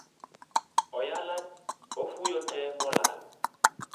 Oyala ofuyo te molal